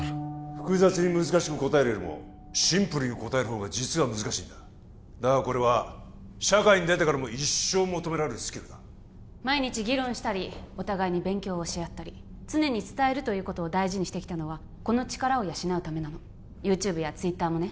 複雑に難しく答えるよりもシンプルに答える方が実は難しいんだだがこれは社会に出てからも一生求められるスキルだ毎日議論したりお互いに勉強を教え合ったり常に伝えるということを大事にしてきたのはこの力を養うためなのＹｏｕＴｕｂｅやＴｗｉｔｔｅｒもね